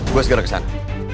gue segera kesana